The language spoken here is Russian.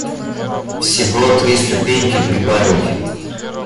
Всего три ступеньки прибавить.